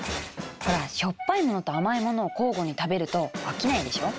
ほらしょっぱいものと甘いものを交互に食べると飽きないでしょ。